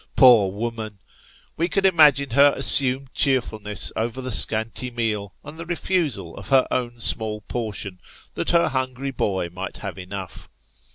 Poor woman ! We could imagine her assumed cheerfulness over the scanty meal, and the refusal of her own small portion, that her hungry boy might have enough.